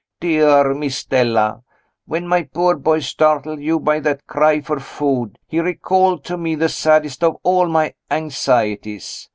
Dear Miss Stella, when my poor boy startled you by that cry for food, he recalled to me the saddest of all my anxieties.